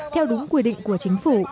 theo đúng quy định của chính phủ